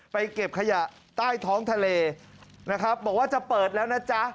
เก็บขยะใต้ท้องทะเลนะครับบอกว่าจะเปิดแล้วนะจ๊ะ